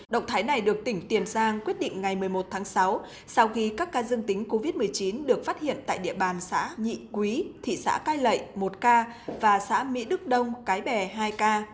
động thái này được tỉnh tiền giang quyết định ngày một mươi một tháng sáu sau khi các ca dương tính covid một mươi chín được phát hiện tại địa bàn xã nhị quý thị xã cai lậy một ca và xã mỹ đức đông cái bè hai ca